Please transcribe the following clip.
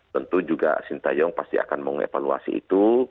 tentu juga sinta yong pasti akan mengevaluasi itu